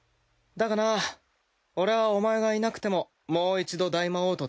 だがな俺はお前がいなくてももう一度大魔王と戦うぜ。